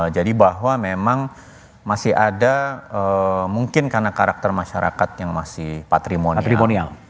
jadi bahwa memang masih ada mungkin karena karakter masyarakat yang masih patrimonial